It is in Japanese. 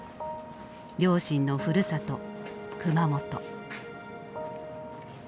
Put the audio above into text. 両親のふるさと熊本。